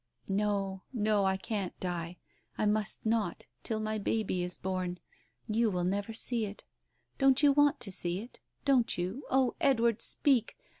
... "No — no — I can't die — I must not — till my baby is born. You will never see it. Don't you want to see it? Don't you ? Oh, Edward, speak